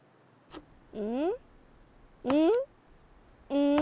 うん？